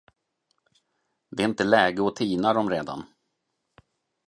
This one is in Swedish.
Det är nog inte läge att tina dem redan.